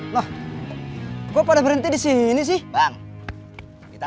loh gue pada berhenti di sini sih bang kita